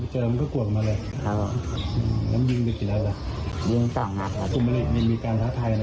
ใช่ครับมาคันเดียวครับ